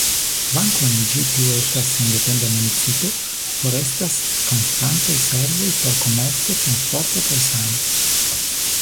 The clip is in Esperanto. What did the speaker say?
Kvankam ĝi plue estas sendependa municipo, forestas konstantaj servoj por komerco, transporto kaj sano.